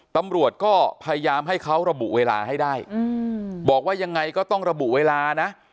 ตำรวจก็พยายามให้เขาระบุเวลาให้ได้บอกว่ายังไงก็ต้องระบุเวลานะ